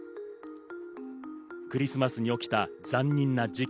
クリスマスに起きた残忍な事件。